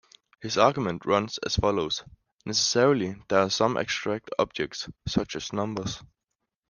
His argument runs as follows: Necessarily, there are some abstract objects, such as numbers.